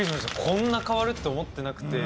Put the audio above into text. こんな変わるって思ってなくて。